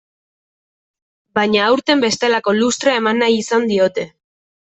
Baina aurten bestelako lustrea eman nahi izan diote.